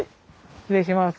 失礼します。